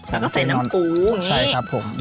แล้วก็ใส่น้ำปูอย่างนี้ใช่ครับผม